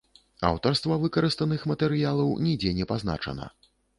Аўтарства выкарыстаных матэрыялаў нідзе не пазначана.